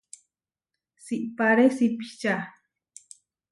Siʼpáre sipiča.